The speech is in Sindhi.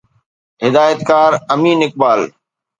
هدايتڪار امين اقبال